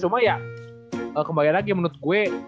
cuma ya kembali lagi menurut gue